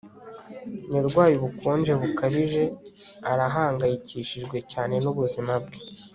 Yarwaye ubukonje bukabije Arahangayikishijwe cyane nubuzima bwe